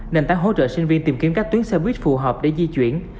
nền tảng hỗ trợ sinh viên tìm kiếm các tuyến xe buýt phù hợp để di chuyển